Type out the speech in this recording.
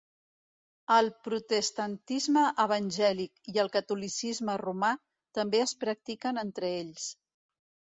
El protestantisme evangèlic i el catolicisme romà també es practiquen entre ells.